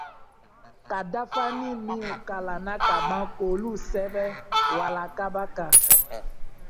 - ka dafanin minw kalanna ka ban, k'olu sɛbɛn walakaba kan ;